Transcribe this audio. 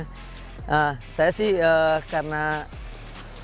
nah saya sih karena ada pesan beli